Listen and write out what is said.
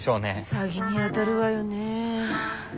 詐欺にあたるわよね。